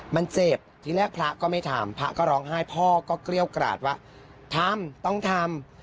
มันเจ็บทีแรกพระก็ไม่ทำพระก็ร้องไห้พ่อก็เกรี้ยวกราดว่าทำต้องทำ